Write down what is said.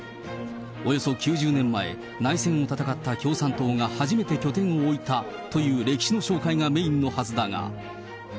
およそ９０年前、内戦を戦った共産党が初めて拠点を置いたという歴史の紹介がメイ